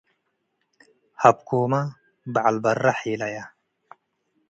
ሀብኮመ በዐል በረ ሔለየ።